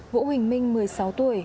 vũ huỳnh minh một mươi sáu tuổi